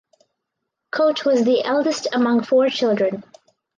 Kote was the eldest among four children.